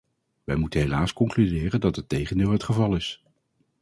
Wij moeten helaas concluderen dat het tegendeel het geval is.